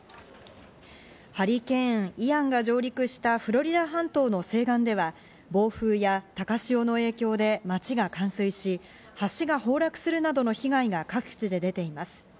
ハリケーン・イアンが上陸したフロリダ半島の西岸では、暴風や高潮の影響で町が冠水し、橋が崩落するなどの被害が各地で出ています。